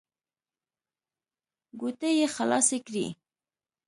ګوتې يې خلاصې کړې.